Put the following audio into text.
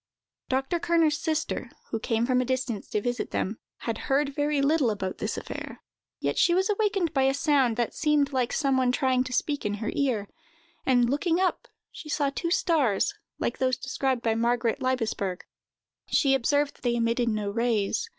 Dr. Kerner's sister, who came from a distance to visit them, had heard very little about this affair, yet she was awakened by a sound that seemed like some one trying to speak into her ear; and, looking up, she saw two stars, like those described by Margaret Laibesberg. She observed that they emitted no rays.